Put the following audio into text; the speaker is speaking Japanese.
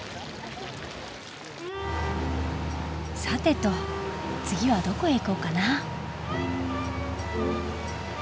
さてと次はどこへ行こうかな。